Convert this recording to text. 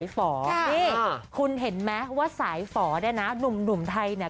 สายฟดิคุณเห็นไหมว่าสายฟเนี้ยนะหนุ่มหนุ่มไทยเนี้ย